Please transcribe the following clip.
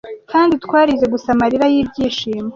kandi twarize gusa amarira yibyishimo